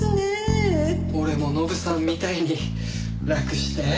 俺もノブさんみたいに楽してえ。